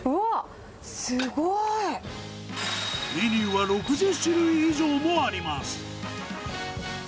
メニューは６０種類以上もあります。